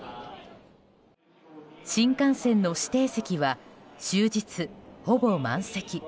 新幹線の指定席は終日ほぼ満席。